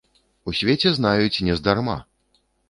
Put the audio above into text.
У свеце знаюць нездарма!